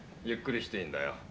ゆっくりしていいんだよ。